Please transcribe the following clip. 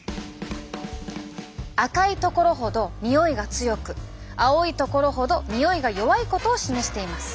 赤いところほどにおいが強く青いところほどにおいが弱いことを示しています。